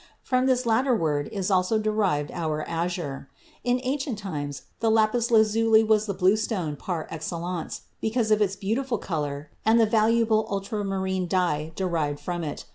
From this latter word is also derived our "azure." In ancient times the lapis lazuli was the blue stone par excellence, because of its beautiful color and the valuable ultramarine dye derived from it.